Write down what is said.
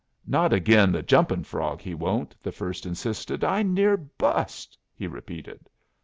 "Not agin 'The Jumping Frog,' he won't," the first insisted. "I near bust," he repeated.